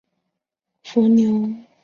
伏牛山隙蛛为暗蛛科隙蛛属的动物。